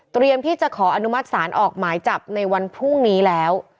ที่จะขออนุมัติศาลออกหมายจับในวันพรุ่งนี้แล้ว